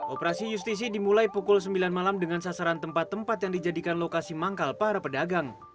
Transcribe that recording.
operasi justisi dimulai pukul sembilan malam dengan sasaran tempat tempat yang dijadikan lokasi manggal para pedagang